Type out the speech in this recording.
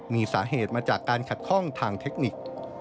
มีสาเหตุมาจากการขัดข้องทางเทคนิค